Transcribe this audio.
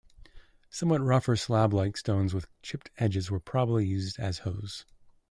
Somewhat rougher slab-like stones with chipped edges were probably used as hoes.